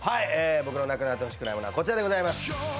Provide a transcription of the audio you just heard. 僕の無くなってほしくないものはこちらでございます。